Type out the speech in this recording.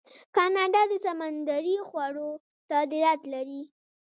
کاناډا د سمندري خوړو صادرات لري.